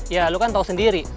ya lu kan tahu sendiri